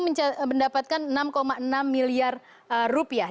mendapatkan enam enam miliar rupiah